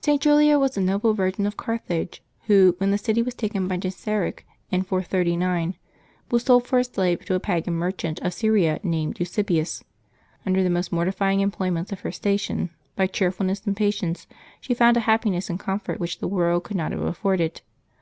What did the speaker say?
[t. Julia was a noble virgin of Carthage, who, when the city was taken by Genseric in 439, was sold for a slave to a pagan merchant of Syria named Eusebius. Under the most mortifying employments of her station, by cheerfulness and patience she found a happiness and com fort which the world could not have afforded.